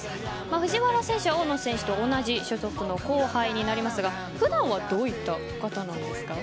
藤原選手は大野選手と同じ所属の後輩になりますが普段はどういった方なんですか？